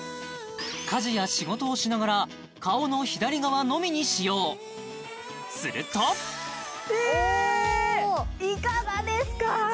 家事や仕事をしながら顔の左側のみに使用するとええいかがですか？